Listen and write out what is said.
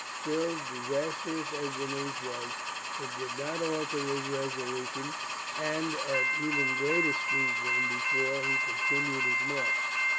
Still, disastrous as the news was, it did not alter his resolution; and at even greater speed than before he continued his march.